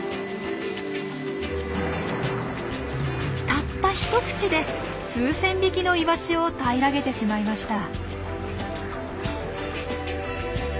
たった一口で数千匹のイワシを平らげてしまいました。